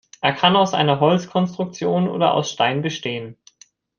Er kann aus einer Holzkonstruktion oder aus Stein bestehen.